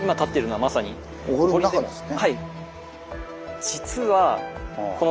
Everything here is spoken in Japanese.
はい。